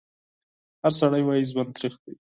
هر سړی وایي ژوند تریخ دی